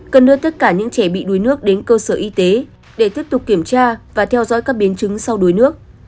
cần đưa tất cả những trẻ bị đuối nước đến cơ sở y tế để tiếp tục kiểm tra và theo dõi các biến chứng sau đuối nước